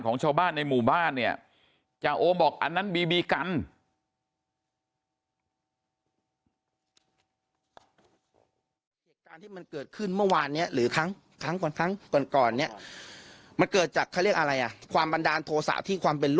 ของชาวบ้านในหมู่บ้านเนี่ยจาโอบอกอันนั้นบีบีกัน